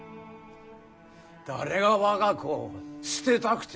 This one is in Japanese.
誰が我が子を捨てたくて捨てるか。